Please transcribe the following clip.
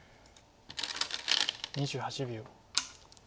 ２８秒。